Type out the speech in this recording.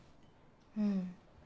うん。